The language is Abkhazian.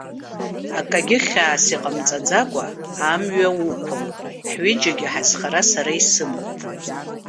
Акагьы хьаас иҟамҵаӡакәа амҩа уқәыл, ҳҩыџьагьы ҳазхара сара исымоуп.